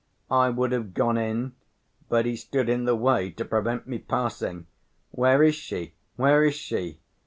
I would have gone in, but he stood in the way to prevent me passing. 'Where is she? Where is she?